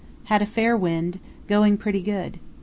Had a fair wind, going pretty good.